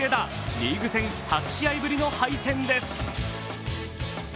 リーグ戦８試合ぶりの敗戦です。